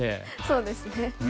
そうですね。